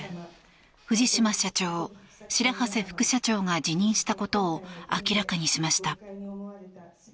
藤島社長、白波瀬副社長が辞任したことを明らかにしました。